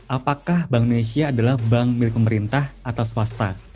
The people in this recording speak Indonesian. apakah bank indonesia adalah bank milik pemerintah atau swasta